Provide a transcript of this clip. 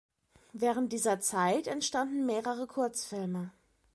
Während dieser Zeit entstanden mehrere Kurzfilme.